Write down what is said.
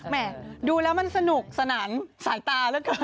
แหม่ดูแล้วมันสนุกสนันสายตาแล้วเกิน